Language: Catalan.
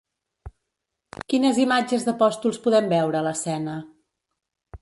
Quines imatges d'apòstols podem veure a l'escena?